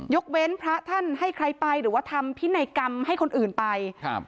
ยกเว้นพระท่านให้ใครไปหรือว่าทำพินัยกรรมให้คนอื่นไปครับ